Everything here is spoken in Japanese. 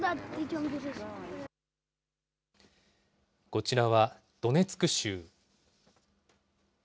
こちらはドネツク州。